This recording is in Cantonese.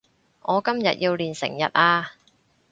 我今日要練成日呀